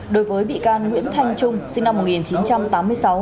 đối với bị can nguyễn thanh trung sinh năm một nghìn chín trăm tám mươi sáu